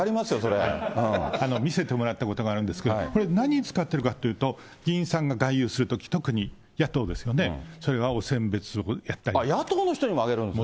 見せてもらったことがあるんですけど、これ、何に使っているかというと、議員さんが外遊するとき、特に野党ですよね、野党の人にもあげるんですか。